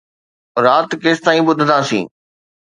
رات ڪيستائين ٻڌنداسين؟